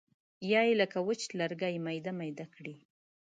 یا یې لکه وچ لرګی میده میده کړي.